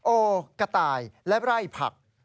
โอกระต่ายและไร่ผัก